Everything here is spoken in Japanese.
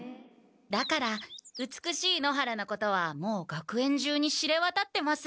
だから美しい野原のことはもう学園中に知れわたってます。